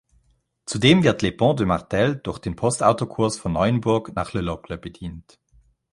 Zudem wird Les Ponts-de-Martel durch den Postautokurs von Neuenburg nach Le Locle bedient.